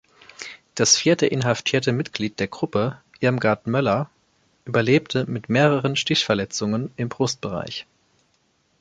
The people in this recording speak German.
Das vierte inhaftierte Mitglied der Gruppe, Irmgard Möller, überlebte mit mehreren Stichverletzungen im Brustbereich.